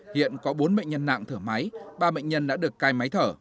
hiện có bốn bệnh nhân nặng thở máy ba bệnh nhân đã được cai máy thở